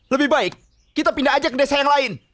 lebih baik kita pindah aja ke desa yang lain